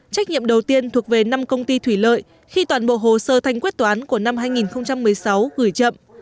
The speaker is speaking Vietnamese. trách nhiệm đầu tiên thuộc về năm công ty thủy lợi khi toàn bộ hồ sơ thanh quyết toán của năm hai nghìn một mươi sáu gửi chậm